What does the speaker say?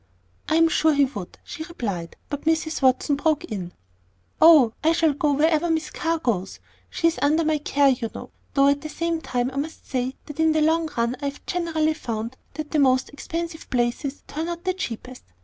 "I am sure he would," she replied; but Mrs. Watson broke in, "Oh, I shall go wherever Miss Carr goes. She's under my care, you know Though at the same time I must say that in the long run I have generally found that the most expensive places turn out the cheapest.